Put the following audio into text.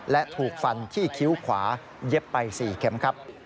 และถูกฟันที่คิ้วขวาเย็บไป๔เข็มครับ